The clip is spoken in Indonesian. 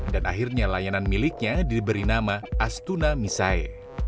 dan akhirnya layanan miliknya diberi nama astunami sae